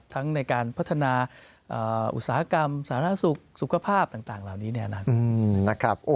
ทั้งในการพัฒนาอุตสาหกรรมสาธารณสุขสุขภาพต่างเหล่านี้แนะนำ